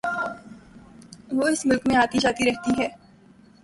وہ اس ملک میں آتی جاتی رہتی ہے